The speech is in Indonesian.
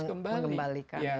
bisa mengembalikan ya